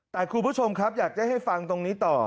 แต่คุณผู้ชมครับอยากจะให้ฟังตรงนี้ต่อ